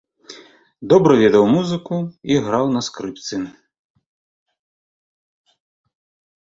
Добра ведаў музыку і граў на скрыпцы.